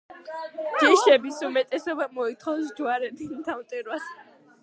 ჯიშების უმეტესობა მოითხოვს ჯვარედინ დამტვერვას.